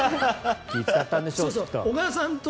気を使ったんでしょうきっと。